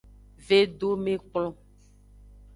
Vedomekplon.